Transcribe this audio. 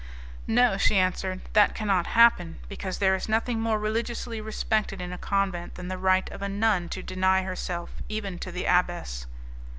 "No," she answered, "that cannot happen, because there is nothing more religiously respected in a convent than the right of a nun to deny herself, even to the abbess.